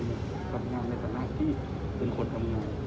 ทำงานใดกับล่างที่เป็นคนทำงาน